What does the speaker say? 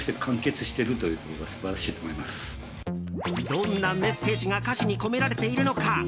どんなメッセージが歌詞に込められているのか